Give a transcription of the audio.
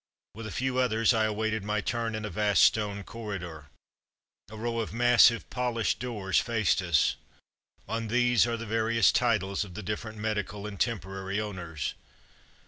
With a few others I awaited my turn in a vast stone corridor. A row of massive, polished doors faced us. On these are the various titles of the different medical and temporary owners.